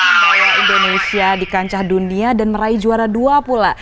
membawa indonesia di kancah dunia dan meraih juara dua pula